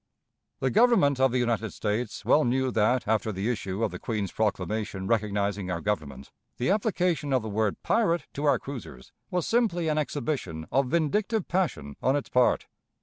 The Government of the United States well knew that, after the issue of the Queen's proclamation recognizing our Government, the application of the word pirate to our cruisers was simply an exhibition of vindictive passion on its part.